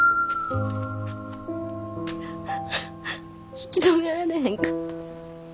引き止められへんかった。